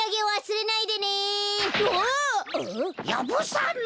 やぶさめ。